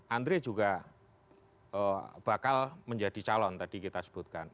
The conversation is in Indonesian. andre juga bakal menjadi calon tadi kita sebutkan